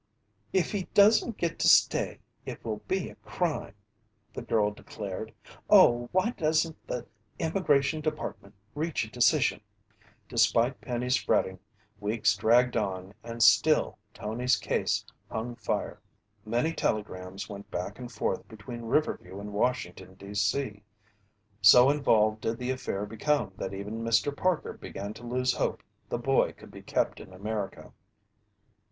"If he doesn't get to stay, it will be a crime!" the girl declared. "Oh, why doesn't the Immigration department reach a decision?" Despite Penny's fretting, weeks dragged on and still Tony's case hung fire. Many telegrams went back and forth between Riverview and Washington, D. C. So involved did the affair become that even Mr. Parker began to lose hope the boy could be kept in America.